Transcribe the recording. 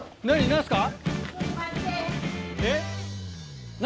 何すか？